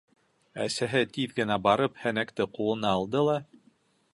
Әсәһе тиҙ генә барып һәнәкте ҡулына алды ла: